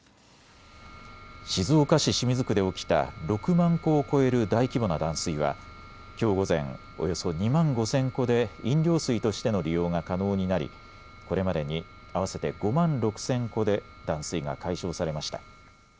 静岡市清水区で起きた６万戸を超える大規模な断水はきょう午前、およそ２万５０００戸で飲料水としての利用が可能になりこれまでに合わせて５万６０００戸で断水が解消されました。